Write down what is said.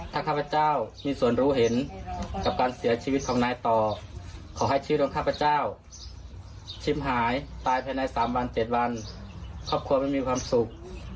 ถ้าข้าพเจ้ามีส่วนรู้เห็นกับการเสียชีวิตของนายต่อขอให้ชีวิตของข้าพเจ้าชิมหายตายภายใน๓วัน๗วันครอบครัวไม่มีความสุข